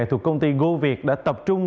thuộc công ty goviet đã tập trung